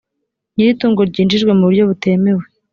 nyir’itungo ryinjijwe mu buryo butemewe